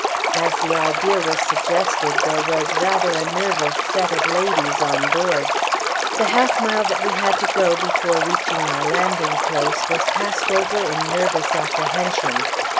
As the idea was suggested, there was rather a nervous set of ladies on board. The half mile that we had to go before reaching our landing place was passed over in nervous apprehension.